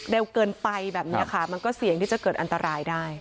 เร็วเกินไปแบบนี้ค่ะมันก็เสี่ยงที่จะเกิดอันตรายได้